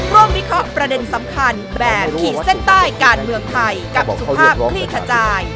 วิเคราะห์ประเด็นสำคัญแบบขีดเส้นใต้การเมืองไทยกับสุภาพคลี่ขจาย